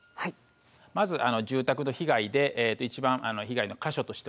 まず住宅の被害で一番被害の箇所として多いのは屋根です。